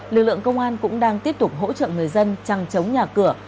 lực lượng công an cũng đang tiếp tục hỗ trợ người dân trăng chống nhà cửa